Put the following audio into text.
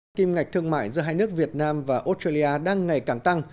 kim ngạch thương mại giữa hai nước việt nam và australia đang ngày càng tăng